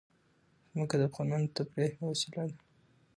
ځمکه د افغانانو د تفریح یوه وسیله ده.